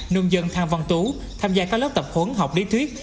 nông dân thang văn tú tham gia các lớp tập huấn học lý thuyết